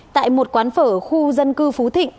tại một quán phở khu dân cư phú thịnh